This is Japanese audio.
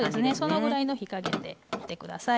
そのぐらいの火加減でやって下さい。